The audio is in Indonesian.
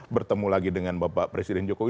bertemu lagi dengan bapak presiden jokowi